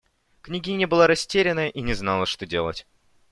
Княгиня была растеряна и не знала, что делать.